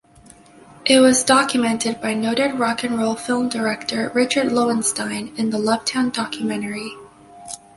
It was documented by noted rock'n'roll film director Richard Lowenstein in the "LoveTown" documentary.